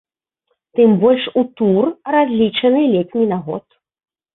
Тым больш, у тур, разлічаны ледзь не на год.